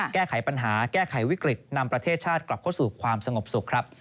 แก้ไขปัญหาแก้ไขวิกฤตนำประเทศชาติกลับเข้าสู่ความสงบสุขครับ